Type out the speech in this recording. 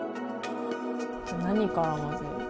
何から混ぜる？